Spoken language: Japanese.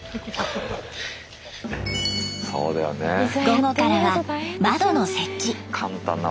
午後からは窓の設置。